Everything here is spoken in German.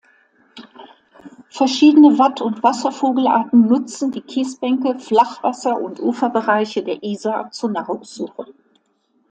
Verschiedene Wat- und Wasservogelarten nutzen die Kiesbänke, Flachwasser- und Uferbereiche der Isar zur Nahrungssuche.